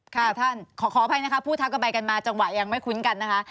ค่ะท่านขอโอไภนะคะผู้ทัพก็ไปกันมาจังหวะยังไม่คุ้นกันนะคะ